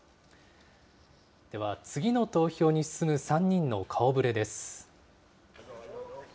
では次の投票に進む３人の顔ぶれです。